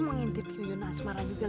lo mau interview yuyun asmara juga lo ya